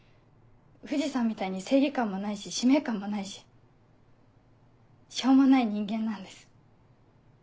藤さんみたいに正義感もないし使命感もないししょうもない人間なんです。